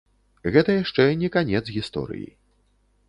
Гэта яшчэ не канец гісторыі!